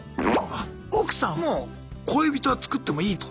あ奥さんも「恋人は作ってもいい」と。